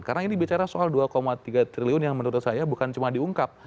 karena ini bicara soal dua tiga triliun yang menurut saya bukan cuma diungkap